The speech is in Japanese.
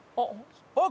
あっ！